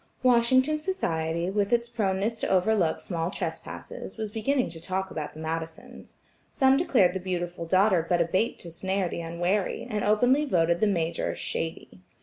Washington society, with its proneness to overlook small trespasses, was beginning to talk about the Madisons. Some declared the beautiful daughter but a bait to snare theunwary, and openly voted the Major "shady."